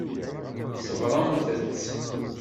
Ṣebbṛemt-tt.